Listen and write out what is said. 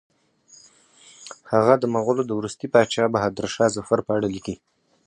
هغه د مغولو د وروستي پاچا بهادر شاه ظفر په اړه لیکي.